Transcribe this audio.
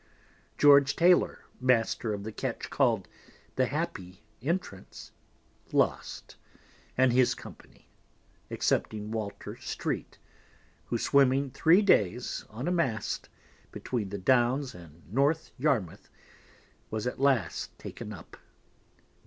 George Taylor, Master of the Ketch call'd the Happy Entrance, lost, and his Company, excepting Walter Street, who swiming three days on a Mast between the Downs and North Yarmouth, was at last taken up.